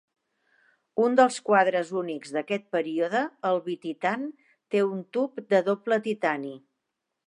Un dels quadres únics d'aquest període, el Bititan, té un tub de doble titani.